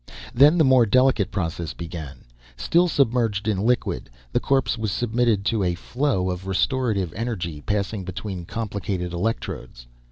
Then the more delicate processes began. Still submerged in liquid, the corpse was submitted to a flow of restorative energy, passing between complicated electrodes.